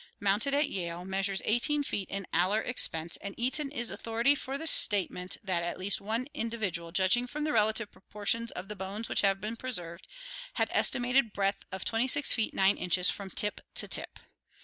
86) mounted at Yale measures 18 feet in alar expanse and Eaton is authority for the statement that at least one indi vidual, judging from the relative proportions of the bones which have been preserved, had an estimated breadth of 26 feet 9 inches from tip to tip.